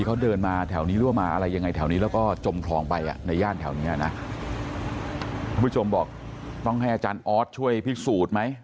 คุณผู้ชมบอกต้องให้อาจารย์ออสช่วยพิสูจน์ไหม